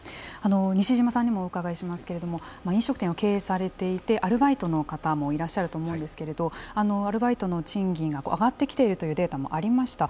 西嶋さんにもお伺いしますけれども飲食店を経営されていてアルバイトの方もいらっしゃると思うんですけれどアルバイトの賃金が上がってきているというデータもありました。